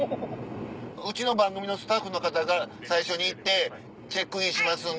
うちの番組のスタッフの方が最初に行ってチェックインしますんで。